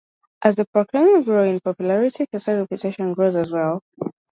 As the Pranksters grow in popularity, Kesey's reputation grows as well.